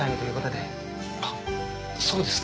あっそうですか。